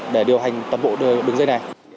để điều hành toàn bộ đường dây này